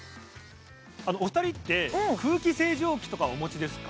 お二人って空気清浄機とかお持ちですか？